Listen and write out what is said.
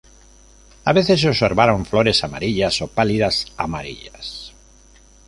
A veces se observaron flores amarillas o pálidas amarillas.